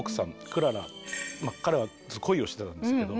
クララ彼は恋をしてたんですけど。